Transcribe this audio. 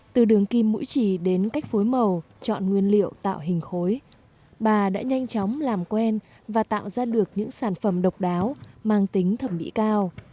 từ đường kim mũi trì đến cách phối màu chọn nguyên liệu tạo hình khối bà đã nhanh chóng làm quen và tạo ra được những sản phẩm độc đáo mang tính thẩm mỹ cao